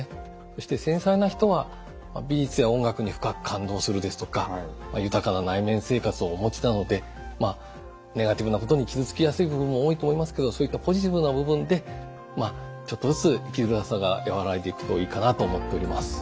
そして繊細な人は美術や音楽に深く感動するですとか豊かな内面生活をお持ちなのでネガティブなことに傷つきやすい部分も多いと思いますけどそういったポジティブな部分でちょっとずつ生きづらさが和らいでいくといいかなと思っております。